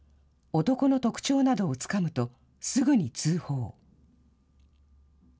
男の特徴などをつかむと、すぐに通報。